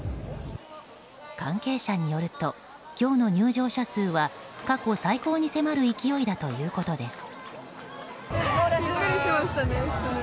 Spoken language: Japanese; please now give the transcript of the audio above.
関係者によると今日の入場者数は過去最高に迫る勢いだということです。